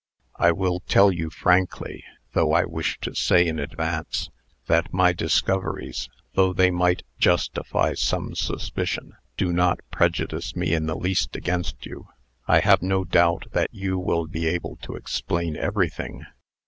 "I will tell you frankly; though I wish to say, in advance, that my discoveries, though they might justify some suspicion, do not prejudice me in the least against you. I have no doubt that you will be able to explain everything."